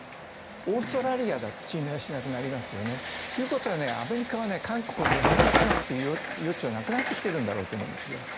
オーストラリアだって信頼しなくなりますよね。ということはアメリカは韓国を見放すなんていう余地はなくなってきていると思うんです。